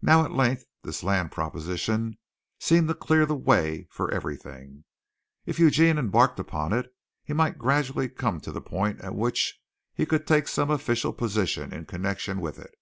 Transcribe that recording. Now at length this land proposition seemed to clear the way for everything. If Eugene embarked upon it, he might gradually come to the point at which he could take some official position in connection with it.